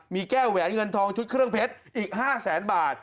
มีแก้วแหวนเงินทองชุดเครื่องเพชรอีก๕แสนบาท